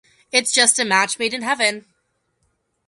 It's just a match made in Heaven.